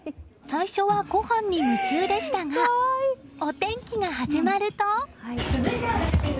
最初は、ごはんに夢中でしたがお天気が始まると。